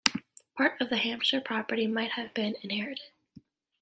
Part of the Hampshire property might have been inherited.